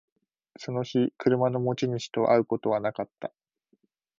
その日、車の持ち主と会うことはなかった